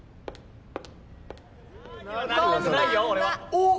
おっ。